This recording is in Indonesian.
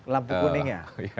lampu kuning ya